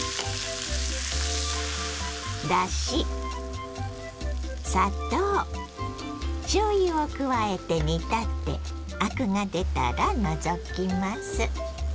だし砂糖しょうゆを加えて煮立てアクが出たら除きます。